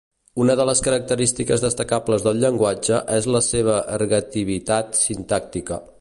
Una de les característiques destacables del llenguatge és la seva ergativitat sintàctica.